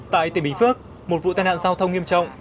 tại tỉnh bình phước một vụ tai nạn giao thông nghiêm trọng